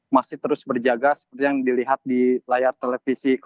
masih terus berjaga seperti yang dilihat di layar televisi